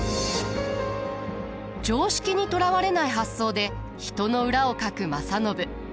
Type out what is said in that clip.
常識にとらわれない発想で人の裏をかく正信。